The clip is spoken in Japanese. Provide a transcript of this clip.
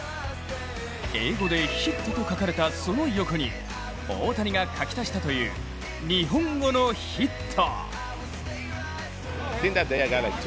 英語で「Ｈｉｔ」と書かれたその横に大谷が書き足したという日本語の「ヒット」。